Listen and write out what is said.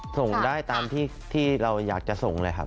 ส่งได้ตามที่เราอยากจะส่งเลยครับ